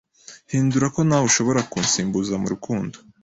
Hindura ko ntawe ushobora kunsimbuza murukundo